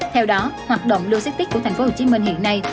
theo đó hoạt động logistics của thành phố hồ chí minh hiện nay